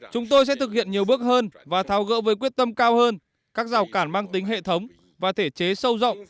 chúng tôi sẽ thực hiện nhiều bước hơn và thao gỡ với quyết tâm cao hơn các rào cản mang tính hệ thống và thể chế sâu rộng